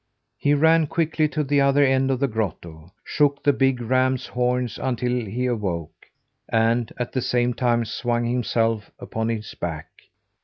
He ran quickly to the other end of the grotto, shook the big ram's horns until he awoke, and, at the same time, swung himself upon his back.